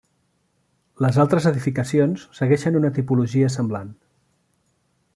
Les altres edificacions segueixen una tipologia semblant.